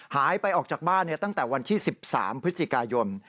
หายไปออกจากบ้านตั้งแต่วันที่๑๓พฤศจิกายน